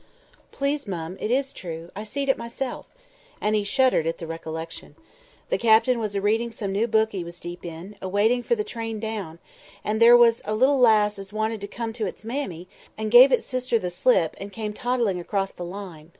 "Please, mum, it is true. I seed it myself," and he shuddered at the recollection. "The Captain was a reading some new book as he was deep in, a waiting for the down train; and there was a little lass as wanted to come to its mammy, and gave its sister the slip, and came toddling across the line.